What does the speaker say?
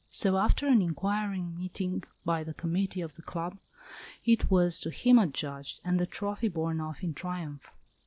So after an inquiry meeting by the committee of the club, it was to him adjudged, and the trophy borne off in triumph.